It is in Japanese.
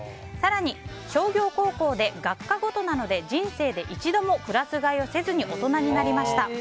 更に、商業高校で学科ごとなので人生で一度もクラス替えをせず大人になりました。